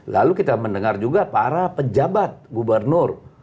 lalu kita mendengar juga para pejabat gubernur